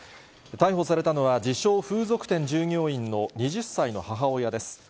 逮捕されたのは、自称、風俗店従業員の２０歳の母親です。